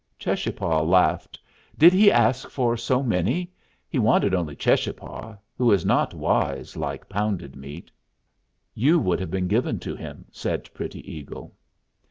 Cheschapah laughed. "Did he ask for so many? He wanted only Cheschapah, who is not wise like Pounded Meat." "You would have been given to him," said Pretty Eagle.